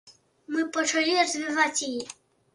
Мы пачалі развіваць яе.